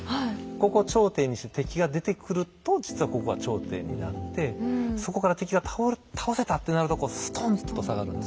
ここ頂点にして敵が出てくると実はここが頂点になってそこから敵が倒せたってなるとこうストンと下がるんですよ。